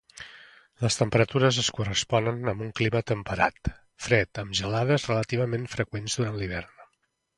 Les temperatures es corresponen amb un clima temperat fred amb gelades relativament freqüents durant l'hivern.